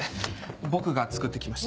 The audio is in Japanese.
僕が作ってきました。